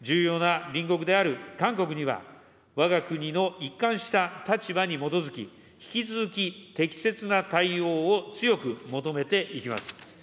重要な隣国である韓国には、わが国の一貫した立場に基づき、引き続き、適切な対応を強く求めていきます。